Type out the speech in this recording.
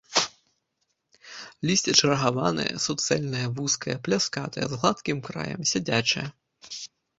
Лісце чаргаванае, суцэльнае, вузкае, пляскатае, з гладкім краем, сядзячае.